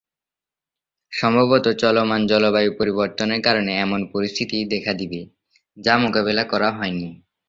সম্ভবত চলমান জলবায়ু পরিবর্তনের কারণে এমন পরিস্থিতি দেখা দিবে, যা মোকাবিলা করা হয়নি।